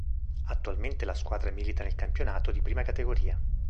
Attualmente la squadra milita nel campionato di I categoria.